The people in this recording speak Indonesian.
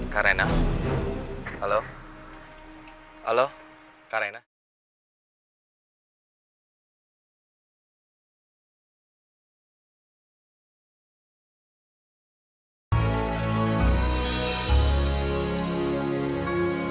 jadi juga dia dia yang konkursin terus tau gak